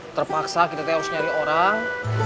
terpaksa kita harus nyari orang